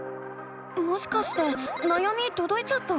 もしかしてなやみとどいちゃった？